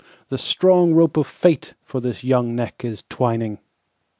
The strong rope of fateFor this young neck is twining.